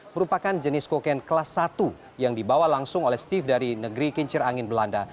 merupakan jenis kokain kelas satu yang dibawa langsung oleh steve dari negeri kincir angin belanda